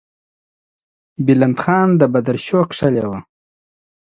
بلند خان د بدرشو کښلې وه.